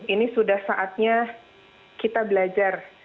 ini sudah saatnya kita belajar